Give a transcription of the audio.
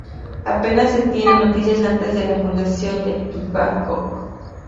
Apenas se tienen noticias antes de la fundación de Bangkok.